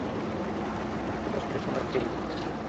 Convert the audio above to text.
আমি তো দশ দিনের সময় চেয়ে নিয়েছি।